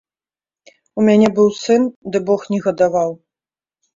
У мяне быў сын, ды бог не гадаваў.